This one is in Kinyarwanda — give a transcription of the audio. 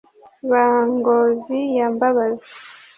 ba ngozi ya mbabazi